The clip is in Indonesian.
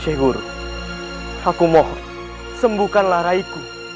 syekh guru aku mohon sembuhkanlah raiku